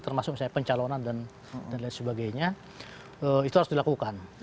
termasuk misalnya pencalonan dan lain sebagainya itu harus dilakukan